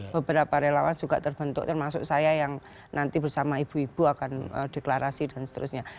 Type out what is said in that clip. beberapa relawan juga terbentuk termasuk saya yang nanti bersama ibu ibu akan deklarasi dan seterusnya